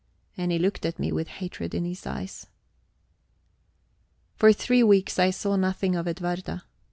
And he looked at me with hatred in his eyes. For three weeks I saw nothing of Edwarda.